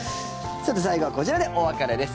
さて、最後はこちらでお別れです。